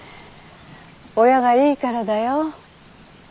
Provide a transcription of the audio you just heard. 親がいいからだよ。